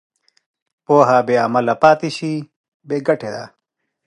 پوهه بېعمله پاتې شي، بېګټې ده.